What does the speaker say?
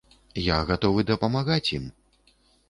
Я гатовы дапамагаць ім.